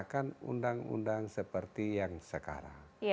menggunakan undang undang seperti yang sekarang